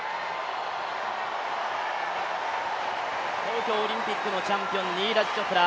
東京オリンピックのチャンピオン、ニーラジ・チョプラ。